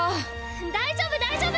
大丈夫大丈夫！